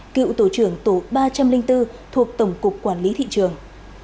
cựu tổ trưởng tổ ba trăm linh bốn thuộc tổng cục quản lý thị trường